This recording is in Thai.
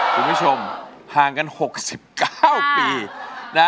คุณผู้ชมห่างกัน๖๙ปีนะ